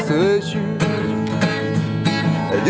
มีคนเดียว